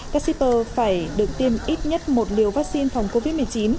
các shipper phải được tiêm ít nhất một liều vaccine phòng covid một mươi chín